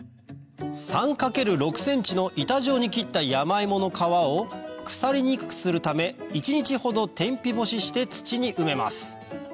３×６ｃｍの板状に切ったヤマイモの皮を腐りにくくするため１日ほど天日干しして土に埋めます